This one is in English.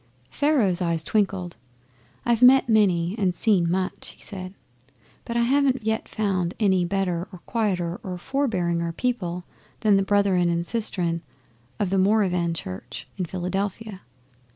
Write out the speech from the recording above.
Pharaoh's eyes twinkled. 'I've met many and seen much,' he said; 'but I haven't yet found any better or quieter or forbearinger people than the Brethren and Sistern of the Moravian Church in Philadelphia.